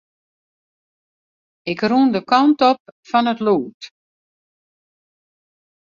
Ik rûn de kant op fan it lûd.